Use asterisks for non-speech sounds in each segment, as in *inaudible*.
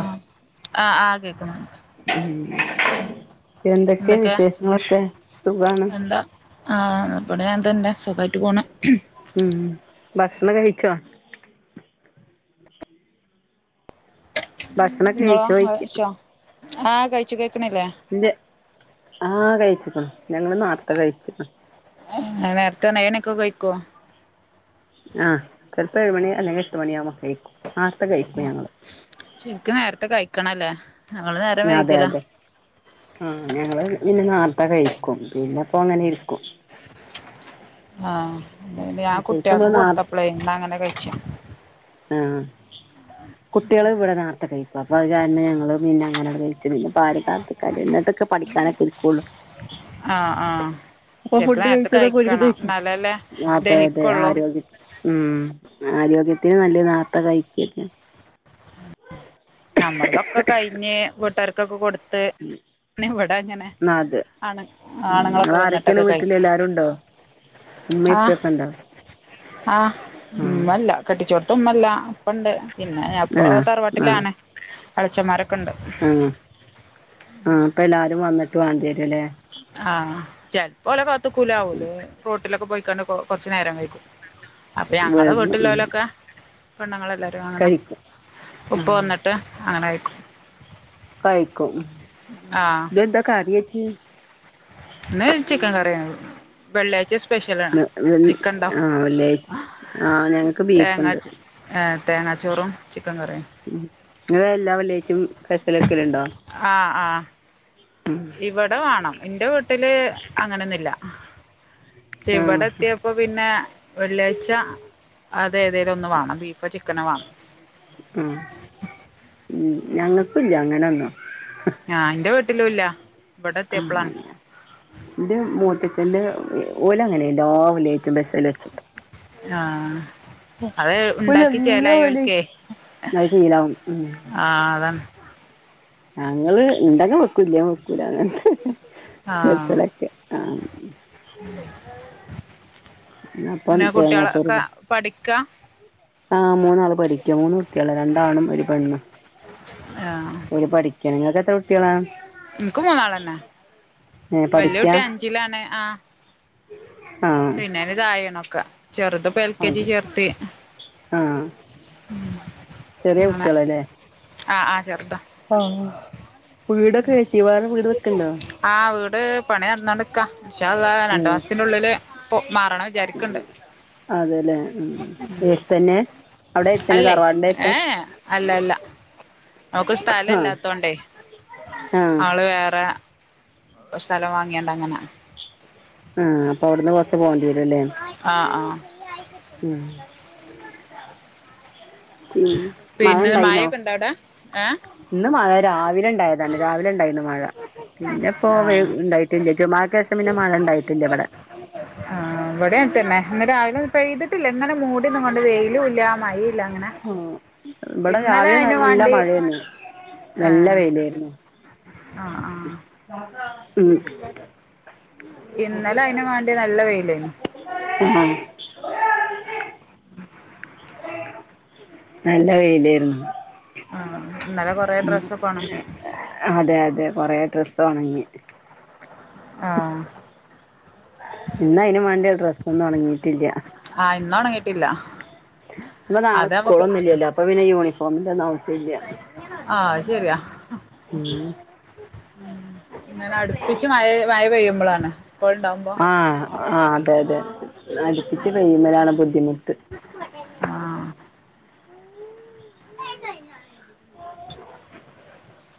ആ ഹ ആ കേക്നു. ഉം എന്തൊക്കെ വിശേഷങ്ങളൊക്കെ സുഖാണ് എന്താ ആ ഇവിടെ അങ്ങനെ തന്നെ സുഖയിട്ട് പോണ്. ഉം ഭക്ഷണം കഴിച്ചോ. ഭക്ഷണൊക്കെ നിങ്ങളോ കഴിച്ചോയ്ക്ക കഴിച്ചോ ആഹ് കഴിച്ചു കഴ ഇല്ല്യാ ആ കഴിച്ചികണ് ഞങ്ങൾ നാർത്ത കഴിച്ചിക്ക്‌. ആ നേരത്ത് നൈനൊക്കെ കഴിക്കോ. ആഹ് ചെൽപ്പം ഏഴ് മണി അല്ലെങ്കിൽ എട്ട് മണി ആവുമ്പോ കഴിക്കും. നാർത്ത കഴിക്കും ഞങ്ങൾ. നിക്കണല്ലേ അതെ അതെ ആഹ *unintelligible* മുട്ട കഴിക്കും. പിന്നെപ്പൊ അങ്ങനെ ഇരിക്കും. ആഹ ഞാൻ ശരിക്കും നമ്മള് കുട്ടിയക്ക് നാർ കൊടുത്തപ്പളെ ന്നാ അങ്ങനെ കഴിച്ചാ ആഹ കുട്ടികള് ഇവിടെ നേർത്തെ കഴിക്കും അപ്പ അത്കാരണം ഞങ്ങള് പിന്നെ അങ്ങനെ കഴിച്ചു പിന്നെ ഇപ്പൊ ആരെ കാത്തിരിക്കാനാ പഠിക്കാനൊക്കെ ഇരിക്കുള്ളൂ ആഹ ആഹ അപ്പൊ ഫുഡ് കഴിച്ചത് ഒക്കെ ഒരുവിധം അതെയതെ ദഹിക്കുള്ളൂ ആരോഗ്യ ഉം ആരോഗ്യത്തിന് നല്ലത് നേത്തെ കഴിക്കല് നമ്മളതൊക്കെ കഴിഞ്ഞ് വീട്ടുകാർക്കൊക്കെ കൊടുത്ത് ഇവിടെ അങ്ങനെ അത് ആണ് ഉം ആണുങ്ങളൊക്കെ വന്നിട്ടൊക്കെ കഴിക്ക ഉമ്മയുംഇപ്പയുംക്കെണ്ടോ ആഹ് ഉം അല്ല കെട്ടിച്ചോ ഉമ്മയില്ല ഉപ്പണ്ട് പിന്നെഞാനിപ്പോ തറവാട്ടിലാണ് എളച്ചന്മാരൊക്കെ ഉണ്ട് ആഹ് ആഹ അപ്പൊ എല്ലാരും വന്നിട്ട് വേണ്ടിരുംല്ലേ ആഹ് ചിലപ്പോലെ കാത്ത്നിക്കൂല ഓല് റോട്ടിലൊക്കെ പോയിക്കാണ്ട് കുറച്ചു നേരം കഴിക്കും അപ്പൊ ഞങ്ങള് വേകും ഉം വീട്ടിലുല്ലൊലൊക്കെ പെണ്ണുങ്ങളെല്ലാവരും അങ്ങനെ കഴിക്കും ആ ഉപ്പ വന്നിട്ട് അങ്ങനെ കഴി കഴിക്കും ആഹ് ഇന്നെന്തൊ കറിവെച്ച് ഇന്ന് ചിക്കൻ കറിയാണ് വെള്ളയാഴ്ച്ച സ്പെഷ്യൽ ആണ് ചിക്കനുണ്ടാവും ആ വെള്ളിയാഴ്ച ആ ഞങ്ങക്ക് തേങ്ങാ ബീഫുണ്ട് ചോ തേങ്ങാച്ചോറും ചിക്കൻ കറിയും ഉം നിങ്ങള് എല്ലാ വെള്ളിയാഴ്ചയും സ്പെഷ്യല് ആഹ് ആഹ് ഉം ഇവിടെ വേണം എന്റെ വീട്ടില് അങ്ങനൊന്നുവില്ല പക്ഷെ ആ ഇവിടെ എത്തിയപ്പോ പിന്നെ വെള്ളിയാഴ്ച അത് ഏതേലും ഒന്ന് വേണം ബീഫോ ചിക്കനോ വേണം ആ ഉം ഞങ്ങൾക്കും ഇല്ല അങ്ങനൊന്നും ആഹ് എന്റെ വീട്ടിലുവില്ല ആ എന്ത് മൂത്തച്ചന്റെ ഓല് അങ്ങനെയെല്ലാ വെള്ളിയാഴ്ചയും ബസ്സേൽ എടുത്തിട്ട് ആഹ് അത് ഓലെല്ലാം ഉണ്ടാക്കി ഇവിടേം ചേലായോൾക്കേ അത് ശീലാവും. ഉം. ആഹ് അതാണ് ഞങ്ങള് ഇണ്ടെങ്കി വെക്കും ഇല്ലെങ്കി വെക്കൂല അങ്ങനെ ആ *unintelligible* ആഹ് അപ്പം പിന്നെ കുട്ടികളൊക്കെ പഠിക്കാ ആഹ് മൂന്നാള് പഠിക്കാ മൂന്ന് കുട്ടിയോളാ രണ്ടാണും ഒരു പെണ്ണും ആ ഇവടെ പഠിക്കാണ് നിങ്ങക്ക് എത്ര കുട്ടികളാണ് എനക്കും മൂന്നാളന്നെ ഏ വലിയ പഠിക്കാ? കുട്ടി അഞ്ചിലാണ് ആഹ് ആ പിന്നെയിന് തായെയാണൊക്കെ ചെറുതിപ്പം എൽ കെ ജി അത്. ചേർത്ത് ആ ചെറിയ കുട്ടികളാല്ലേ ആഹ് ആഹ് ചെറുതാ വീടൊക്കെ വെച്ച് വേറെ വീട് വെക്ക്ണ്ടോ? ആ വീട് വീട് പണി നടന്നുകോണ്ട്ക്കാ ഇന്ഷാ അള്ളാ അത് രണ്ട് ഉം. മാസത്തിനുള്ളില് മാറണം വിചാരിക്കണ്ട് അതേല്ലേ ഉം. എടുത്തുതന്നെ അവിടെ അടുത്തുതന്നെ അല്ലേ തറവാടിൻ്റെ അടുത്ത് ഏ അല്ല അല്ല നമുക്ക് സ്ഥലം ആ ഇല്ലാത്തോണ്ടേ ആ അവള് വേറെ സ്ഥലം വാങ്ങിയോണ്ട് അങ്ങനെ ആ അപ്പൊ അവിടുന്ന് കൊറച്ച് പോവേണ്ടി വരുംല്ലേ ആ ആ ഉം ഉം മഴ പിന്നെ ഇണ്ടായിനോ മഴൊക്കെ ഇണ്ടോ അവിടെ ഏ ഇന്ന് മഴ രാവിലെ ഉണ്ടായതാണ് രാവിലെ ഉണ്ടായിണ് മഴ പിന്നെ ആ പോവ ഉണ്ടായിട്ടില്ലേ അത്യാവശ്യം പിന്നെ മഴ ഇണ്ടായിട്ടില്ല ഇവിടെ ആ ഇവിടെ അങ്ങനെ തന്നെ ഇന്ന് രാവിലെ പെയ്തിട്ടില്ല ഇങ്ങനെ മൂടി കൊണ്ട് വെയിലും ഇല്ല മയയും ഇല്ല അങ്ങനെ ആ. ഇവിടെ ഇന്നലെ രാവിലെ അയിന് നല്ല വേണ്ടി മഴയായിരുന്നു നല്ല ആഹ് വെയിലായിരുന്നു ആഹ ആ ഉം. ഇന്നലെ അയിന് വാണ്ടി നല്ല വെയിലായിന്നു. ആ നല്ല വെയിലെർന്നു ആ ഇന്നലെ കൊറേ ഡ്രസ്സൊക്കെ ഒണങ്ങി *unintelligible* അതെ അതെ കൊറെ ഡ്ര ത്തൊണങ്ങി ആ ഇന്ന് അയിനും വാണ്ടിഡ്രസ്സ് ഒന്നും ഉണങ്ങിയിട്ടില്യ. ആഹ് ഇന്നൊണങ്ങീട്ടില്ല പ്പൊ നാളെ സ്കൂളൊന്നും ഇല്യല്ലോ അപ്പൊ പിന്നെ യൂണിഫോമിന്റൊ ന്നുംആവശ്യല്ല്യ. ആഹ് അത് ശെരിയാ ഉം ഇങ്ങനെ അടുപ്പിച്ച് മഴ മഴ പെയ്യുമ്പോളാണ് ആഹ ആ അതെ അതെ അടുപ്പിച്ച് പെയ്യുബളാണ് ബുദ്ധിമുട്ട്. ആഹ് *unintelligible*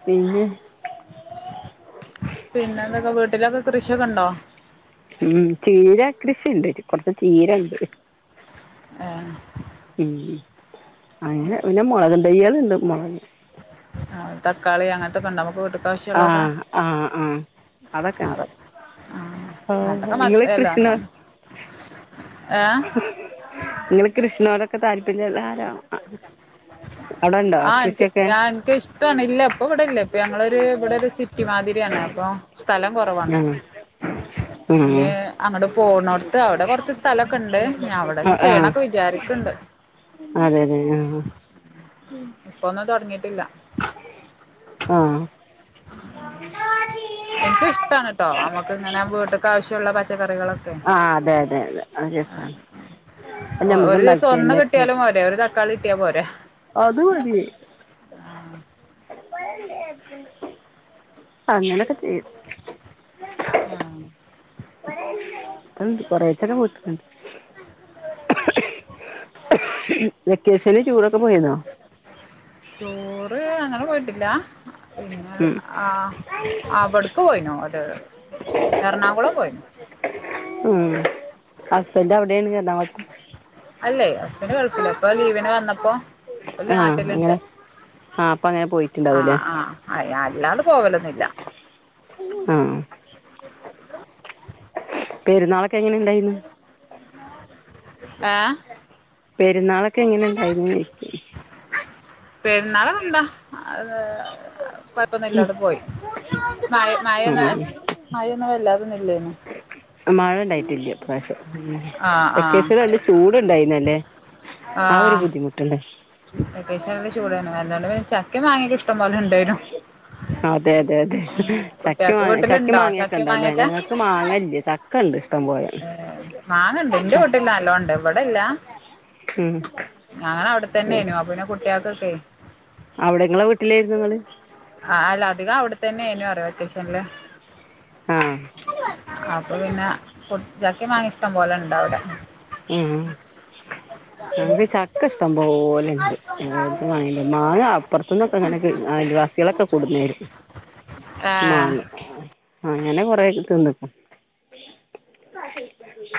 പിന്നെ പിന്നെ എന്തൊക്കെ വീട്ടിലൊക്കെ കൃഷിയൊക്കെ ഉണ്ടോ ഉം ചീര കൃഷിണ്ട് കൊറച്ച് ചീരണ്ട് ആഹ ഉം അങ്ങനെ പിന്നെ മുളകിന് തയ്യേ ൾണ്ട് മുളക് ആഹ തക്കാളി അങ്ങനത്തെൊക്കെണ്ട നമ്മുക്ക് വീട്ടി ആഹ ആഹ ആഹ അതൊക്കെ ഇണ്ട് അതെ ആഹ് അതൊക്കെ മ എല്ല *unintelligible* ഏഹ് ങ്ങള് കൃഷ്ണോടൊക്കെ താല്പര്യള്ള ആരോ അ ആഹ എനിക്ക് ൻഎനിക്ക് ഇഷ്ട ഇല്ല ഇപ്പൊ ഇവിടെ ഇല്ല ഇപ്പ ഞങ്ങളൊരു ഇവിടെ ഒരുസി റ്റിമാതിരിയാണ് അപ്പൊ സ്ഥലം കുറവാണ് *inaudible* അവിടെ കുറച്ച് സ്ഥലമൊക്കെ ഉണ്ട് ഞാൻ ഉം അവിടെ ഇനി ചെയ്യണൊക്കെ വിചാരിക്കണ്ട് *inaudible* അതെ അതെ ആഹ ഇപ്പൊന്നു തൊടങ്ങിയിട്ടില്ല. ആ എൻക്ക് ഇഷ്ട്ടാണ് ട്ടോ അമ്മക്ക് ഇങ്ങനെ വീട്ട്ക്ക് ആവശ്യള്ള പച് ട്ട കറികളൊക്കെ ആ അതെ അതെ അതെ അത് രസമാണ് നമുക്ക് ഒരു ദിവസം ഉണ്ടാക്കി ഒന്ന് തന്നെയൊക്കെ കിട്ടിയാലും പോരെ ഒരു തക്കാളി കിട്ടിയാ പോരെ അത് മതി ആഹ് അങ്ങനെക്കെ ചെയും ആഹ അത് ഉണ്ട് കൊറേക്കെ ന്റെ വീട്ടില്ണ്ട് *unintelligible* വെക്കേഷന് ടൂർ ഒക്ക് *unintelligible* അങ്ങനെ പോയിട്ടില്ല പിന്നെ ഉം ആ ആവിടുക്ക് പോയിനോ ഓലെലോ എറണാകുളം പോയി ഉം ഹസ്ബന്റ്അവിടെണ് എർണാകു അല്ലേ ഹസ്ബന്റ് ഗൾഫിലാഇപ്പൊ ലീവിന് വന്നപ്പോ ഓല് ആ നാട്ടിലുണ്ട് അങ്ങനെ ആ അപ്പം അങ്ങനെ ആ പോയിട്ടുണ്ടാവുമല്ലേ ആഹ *inaudible* അല്ലാതെ പോകലൊന്നില്ല ആഹ പെരുന്നാളൊക്കെ എങ്ങനെ ഇണ്ടായിന്ന് ഏ പെരുന്നാളൊക്കെ എങ്ങനെ ഉണ്ടായിരുന്നു പെരുന്നാളൊക്കെന്താ അത് കൊഴപ്പൊന്നും ഇല്ലാതെ പോയി മഴന്ന മഴൊന്ന ചോദിക്കുക ആ മയന്നും വല്ലാതൊന്നും ഇല്ലേയ്ന്നു. മഴ ഉണ്ടായിട്ടില്ലേ ഇപ്രാവശ്യം ആഹ് വെക്കേഷൻ നല്ല ചൂടുണ്ടായിരുന്നല്ലേ ആ വെക്കേഷൻ എല്ലാം ചൂടാണ് *unintelligible* ചക്ക മാങ്ങകേ ഇഷ്ടം പോലെ ഇണ്ടേനു അതെ അതെ അതെ കുട്ട്യാക്ക് ചക്കമാങ്ങ ചക്ക വീട്ടിലുണ്ടോ മാങ്ങയൊക്കെ ചക്കേം ഇണ്ടാവല്ലേ മാങ്ങേക്കെ ഞങ്ങക്ക് മാങ്ങയില്ല ചക്ക ഇണ്ട് ഇഷ്ടം പോലെ ഏഹ് മാങ്ങണ്ട് ന്റെ വീട്ടിൽനല്ലോണ്ട് ഇവിടെല്ല ഉം ഞങ്ങൾ അവിടെത്തന്നൊയിനു അപ്പ പിന്നെ കുട്ടികൾക്കൊക്കെ അവിടെ ങ്ങളെ വീട്ടിലായിരുന്നു ങ്ങള് ആ അല്ല അധിക അവിടെത്തന്നെയിനു *unintelligible* വെക്കേഷൻല് ആ അപ്പൊ പിന്നെ ചക്കിമാങ്ങി ഇഷ്ടം പോലെ ഉണ്ട് അവിടെ എം ഞങ്ങക്ക് ചക്ക ഇഷ്ടം പോലെ ഉണ്ട് *unintelligible* മായില്ല മാങ്ങ അപ്പുറത്തന്നൊക്കെ ഇങ്ങനെ അയൽവാസികളൊക്കെ കൊടുന്ന് തരും ഏഹ് മാങ്ങ അങ്ങനെ കൊറേ തിന്ന്ക്ണു.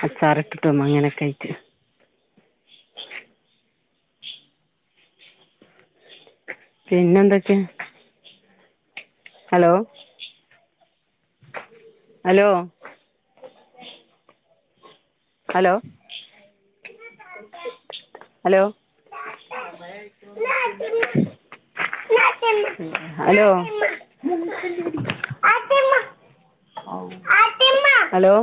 അച്ചാറ് ഇട്ടിട്ടും അങ്ങനെ ഒക്കെ ആയിറ്റ് പിന്നെന്തക്കൊ hello hello hello hello *unintelligible* hello hello